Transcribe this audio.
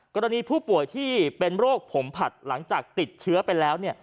กรณีผู้ป่วยที่เป็นโรคผมผัดหลังจากติดเชื้อไปแล้ว